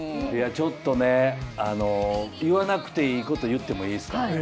ちょっと言わなくていいこと言ってもいいですか。